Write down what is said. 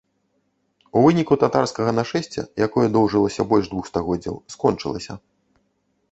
У выніку татарскага нашэсця, якое доўжылася больш двух стагоддзяў, скончылася.